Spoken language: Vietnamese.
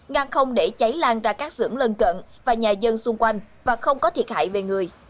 ngang không để cháy lan ra các xưởng lân cận và nhà dân xung quanh và không có thiệt hại về người